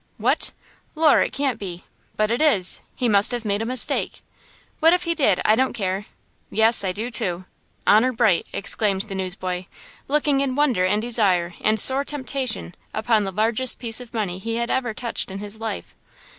"What! Lor', it can't be! but it is! He must have made a mistake! What if he did, I don't care! Yes, I do, too! 'Honor bright!' " exclaimed the newsboy, looking in wonder and desire and sore temptation upon the largest piece of money he had ever touched in his life.